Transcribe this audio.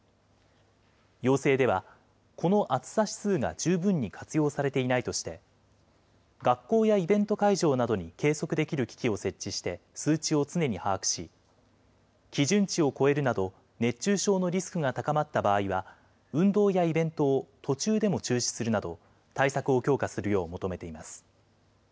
要請では、この暑さ指数が十分に活用されていないとして、学校やイベント会場などに計測できる機器を設置して数値を常に把握し、基準値を超えるなど、熱中症のリスクが高まった場合は、運動やイベントを途中でも中止するなど、対策を強化するよう求めています。